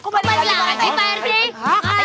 berani lagi pak rt